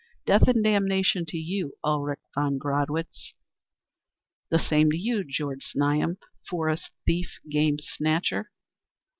Death and damnation to you, Ulrich von Gradwitz." "The same to you, Georg Znaeym, forest thief, game snatcher."